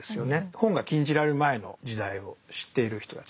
本が禁じられる前の時代を知っている人たち。